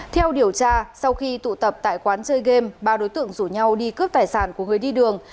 theo điều tra sau khi tụ tập tại quán chơi game ba đối tượng rủ nhau đi cướp tài sản của người đi đường